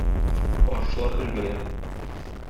Арышлар өлгерә.